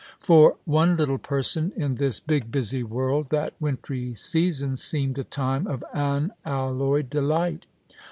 For one little person in this big busy world that wintry season seemed a time of unalloyed delight.